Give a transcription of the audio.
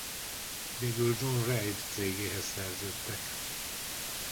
Végül John Reid cégéhez szerződtek.